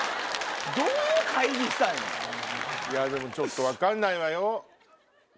いやでもちょっと分かんないわよ。